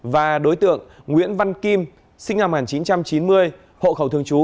và đối tượng nguyễn văn kim sinh năm một nghìn chín trăm chín mươi hộ khẩu thường trú